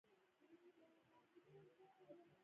سندره د ولس غږ دی